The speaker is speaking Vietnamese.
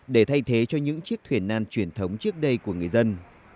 để thay thế cho những chiếc thuyền nan truyền thống trước đây của người dân